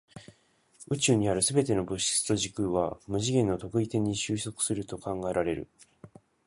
宇宙にある全ての物質と時空は無次元の特異点に収束すると考えられる。